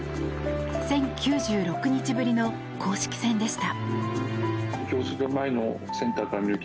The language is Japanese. １０９６日ぶりの公式戦でした。